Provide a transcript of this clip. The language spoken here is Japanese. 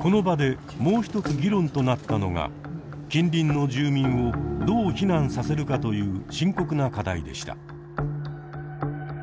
この場でもう一つ議論となったのは近隣の住民をどう避難させるかという深刻な課題でした。